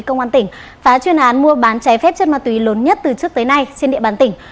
công an tỉnh phá chuyên án mua bán trái phép chất ma túy lớn nhất từ trước tới nay trên địa bàn tỉnh